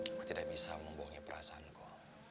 aku tidak bisa membohongi perasaanku